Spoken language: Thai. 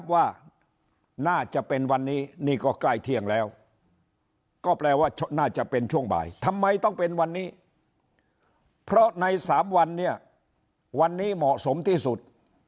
ว่าน่าจะเป็นวันนี้นี่ก็ใกล้เที่ยงแล้วก็แปลว่าน่าจะเป็นช่วงบ่ายทำไมต้องเป็นวันนี้เพราะใน๓วันเนี่ยวันนี้เหมาะสมที่สุด